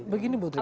begini bu tri